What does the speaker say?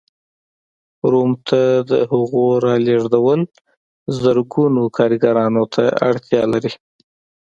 روم ته د هغو رالېږدول زرګونو کارګرانو ته اړتیا لرله.